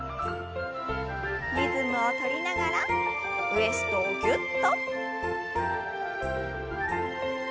リズムを取りながらウエストをぎゅっと。